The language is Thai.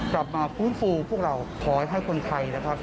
กลับมาฟูนพวกเรา